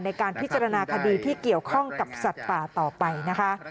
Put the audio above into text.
ในการพิจารณาคดีที่เกี่ยวข้องกับสัตว์ป่าต่อไปนะคะ